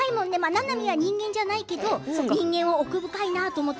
ななみは人間じゃないけれども人間は奥深いなと思って